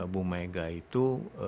bu mega itu